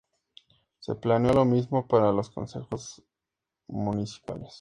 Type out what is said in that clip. Se planeó lo mismo para los consejos municipales.